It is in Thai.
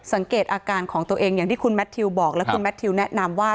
สังเกตอาการของตัวเองอย่างที่คุณแมททิวบอกและคุณแมททิวแนะนำว่า